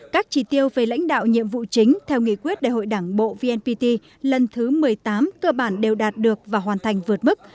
các chỉ tiêu về lãnh đạo nhiệm vụ chính theo nghị quyết đại hội đảng bộ vnpt lần thứ một mươi tám cơ bản đều đạt được và hoàn thành vượt mức